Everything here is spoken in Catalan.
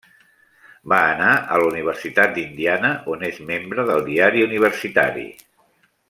Va anar a la Universitat d'Indiana, on és membre del diari universitari.